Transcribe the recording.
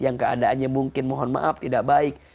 yang keadaannya mungkin mohon maaf tidak baik